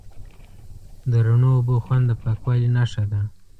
د رڼو اوبو خوند د پاکوالي نښه ده.